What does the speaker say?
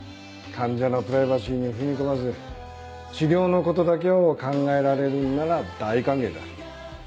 患者のプライバシーに踏み込まず治療のことだけを考えられるんなら大歓迎だ。